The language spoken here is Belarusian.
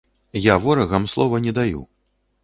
Я ворагам слова не даю.